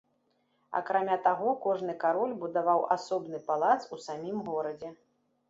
Акрамя таго, кожны кароль будаваў асобны палац у самім горадзе.